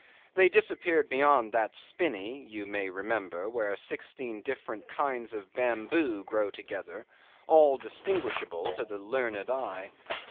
They disappeared beyond that spinney (you may remember) where sixteen different kinds of bamboo grow together, all distinguishable to the learned eye.